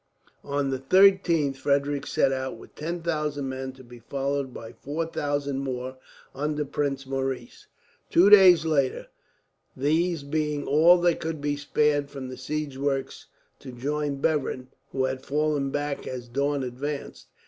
On the 13th Frederick set out, with 10,000 men to be followed by 4000 more under Prince Maurice, two days later, these being all that could be spared from the siege works to join Bevern, who had fallen back as Daun advanced.